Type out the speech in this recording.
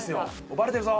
バレてるぞ。